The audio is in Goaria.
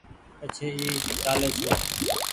پڇي اي چآلي ڇي۔